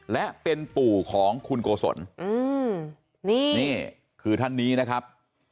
และเป็นปู่ของคุณโกศลอืมนี่นี่คือท่านนี้นะครับ